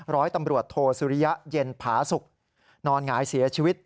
ร้อยตำรวจโทสุริยะเย็นผาสุกนอนหงายเสียชีวิต